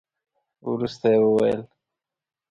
وروسته يې وويل.